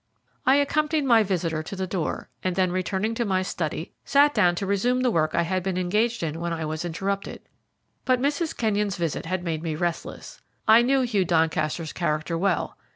I accompanied my visitor to the door, and then, returning to my study, sat down to resume the work I had been engaged in when I was interrupted. But Mrs. Kenyon's visit had made me restless. I knew Hugh Doncaster's character well.